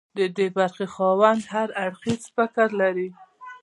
د ډي برخې خاوند هر اړخیز فکر لري.